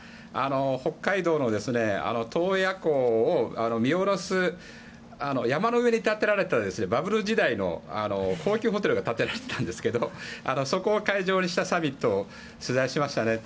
北海道の洞爺湖を見下ろす山の上に建てられたバブル時代の高級ホテルがあるんですけどもそこを会場にしたサミットを取材しました。